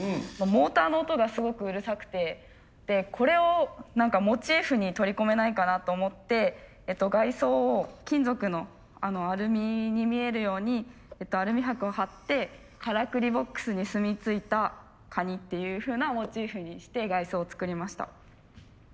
モーターの音がすごくうるさくてこれをモチーフに取り込めないかなと思って外装を金属のアルミに見えるようにアルミはくを貼ってからくりボックスにすみついたカニっていうふうなモチーフにして外装を作りました。